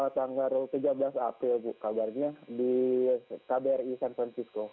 tanggal tiga belas april kabarnya di kbri san francisco